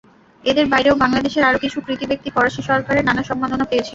এঁদের বাইরেও বাংলাদেশের আরও কিছু কৃতী ব্যক্তি ফরাসি সরকারের নানা সম্মাননা পেয়েছেন।